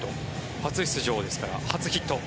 初出場ですから初ヒット。